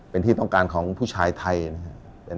เป็นที่ต้องการของผู้ชายไทยนะครับ